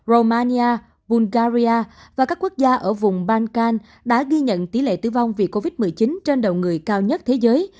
romania bulgaria và các quốc gia ở vùng balkan đã ghi nhận tỷ lệ tử vong vì covid một mươi chín trên đầu người cao nhất thế giới